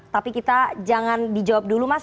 tapi kita jangan dijawab dulu mas